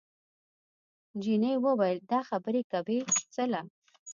جینۍ وویل دا خبرې کوې څله؟